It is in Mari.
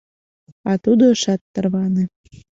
А Тудо... ышат тарване.